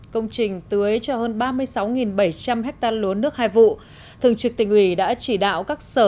công trình tưới cho hơn ba mươi sáu bảy trăm linh hectare lúa nước hai vụ thường trực tỉnh ủy đã chỉ đạo các sở